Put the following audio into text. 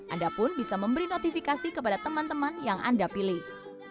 anda pun bisa memberi notifikasi kepada teman teman yang anda pilih